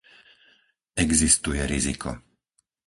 Existuje riziko.